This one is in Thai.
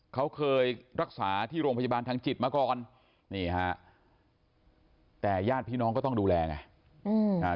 เขาเคยรักษาที่โรงพยาบาลทางจิตมาก่อนนี่ฮะแต่ญาติพี่น้องก็ต้องดูแลไง